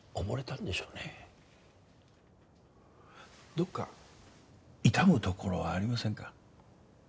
どこか痛むところはありませんか？